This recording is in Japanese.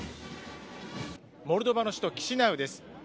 モルドバの首都キシナウです。